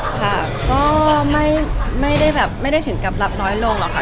ค่ะก็ไม่ได้ถึงกับรับน้อยลงหรอกค่ะ